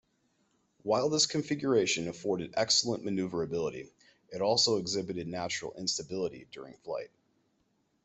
While this configuration afforded excellent maneuverability, it also exhibited natural instability during flight.